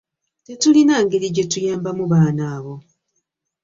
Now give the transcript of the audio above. Tetulina ngeri gye tuyambamu baana abo.